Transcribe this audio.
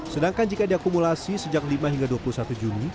sedangkan jika diakumulasi sejak lima hingga dua puluh satu juni